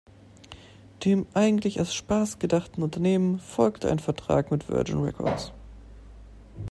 Dem eigentlich als Spaß gedachten Unternehmen folgte ein Vertrag mit Virgin Records.